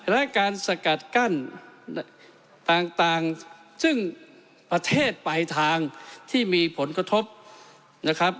และการสกัดกั้นต่างซึ่งประเทศปลายทางที่มีผลกระทบนะครับ